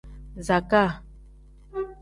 Zakaa.